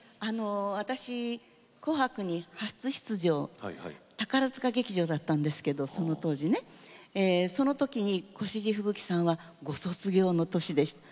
私、「紅白」に初出場宝塚劇場だったんですがその当時その時に越路吹雪さんがご卒業の年でした。